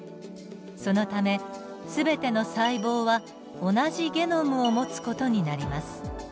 そのため全ての細胞は同じゲノムを持つ事になります。